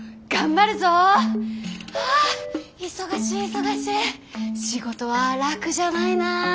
あ忙しい忙しい仕事は楽じゃないな。